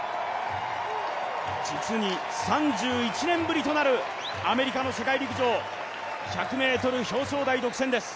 実に３１年ぶりとなるアメリカの世界陸上１００ｍ表彰台独占です。